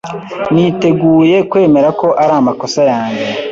Niteguye kwemera ko ari amakosa yanjye.